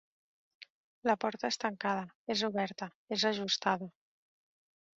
La porta és tancada, és oberta, és ajustada.